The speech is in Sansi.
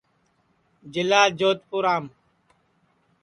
جِلا جودپُورام